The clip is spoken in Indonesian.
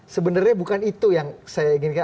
sebenarnya bukan itu yang saya inginkan